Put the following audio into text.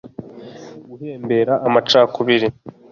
guhembera amacakubiri